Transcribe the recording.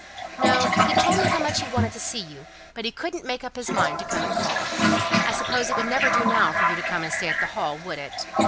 "No, he told me how much he wanted to see you, but he couldn't make up his mind to come and call. I suppose it would never do now for you to come and stay at the Hall, would it?